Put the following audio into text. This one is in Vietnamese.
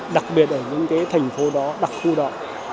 đặc biệt ở những cái thành phố đó đặc khu đó